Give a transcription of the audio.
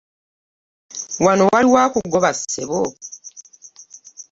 Wano waliwo akugoba ssebo?